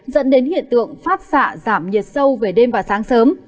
dẫn đến hiện tượng phát xạ giảm nhiệt sâu về đêm và sáng sớm